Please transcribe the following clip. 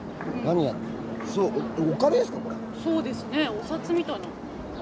お札みたいな。